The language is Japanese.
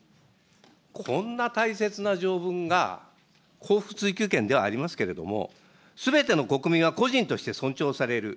こんな大切な条文が、幸福追求権ではありますけれども、すべての国民は個人として尊重される。